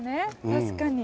確かに。